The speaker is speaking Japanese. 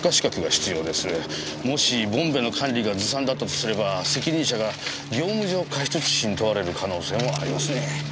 もしボンベの管理がずさんだったとすれば責任者が業務上過失致死に問われる可能性もありますね。